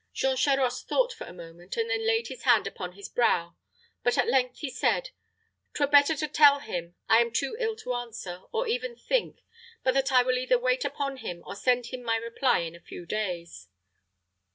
Jean Charost thought for a moment, and then laid his hand upon his brow; but at length he said, "'Twere better to tell him that I am too ill to answer, or even to think, but that I will either wait upon him or send him my reply in a few days."